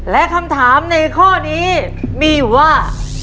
และคำถามในข้อนี้มีอยู่ว่า